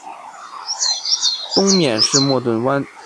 东面是莫顿湾。